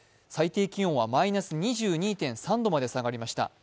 最低気温はマイナス２２．３度まで下がりました。